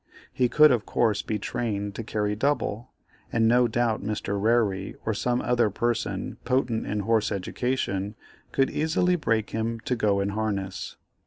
He could of course be trained to carry double, and no doubt Mr. Rarey, or some other person potent in horse education, could easily break him to go in harness.